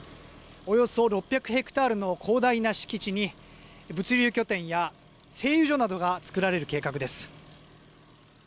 およそ６００ヘクタールの広大な敷地に物流拠点や製油所などが作られる計画です。